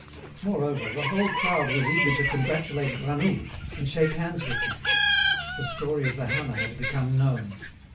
Moreover, the whole crowd was eager to congratulate Granoux, and shake hands with him. The story of the hammer had become known.